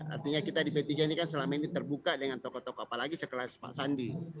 artinya kita di p tiga ini kan selama ini terbuka dengan tokoh tokoh apalagi sekelas pak sandi